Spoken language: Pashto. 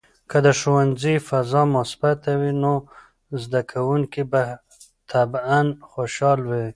که د ښوونځي فضا مثبته وي، نو زده کوونکي به طبعاً خوشحال وي.